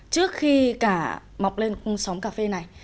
trước khi cả mọc lên cung sóng cà phê này